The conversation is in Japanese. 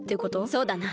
そうだな。